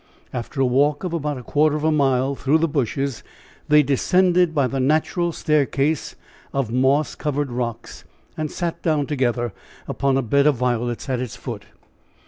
After a walk of about a quarter of a mile through the bushes they descended by the natural staircase of moss covered rocks, and sat down together upon a bed of violets at its foot.